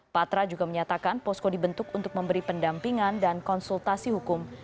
patra juga menyatakan posko dibentuk untuk memberi pendampingan dan konsultasi hukum